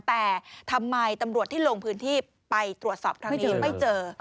แต่ทำไมตำรวจที่ลงพื้นที่ไปตรวจสอบครั้งนี้ไม่เจอ